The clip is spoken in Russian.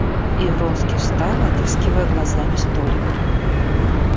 И Вронский встал, отыскивая глазами столик.